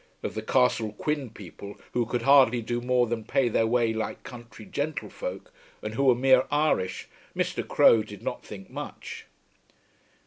Of the Castle Quin people who could hardly do more than pay their way like country gentlefolk, and who were mere Irish, Mr. Crowe did not think much.